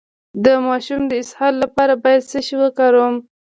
د ماشوم د اسهال لپاره باید څه شی وکاروم؟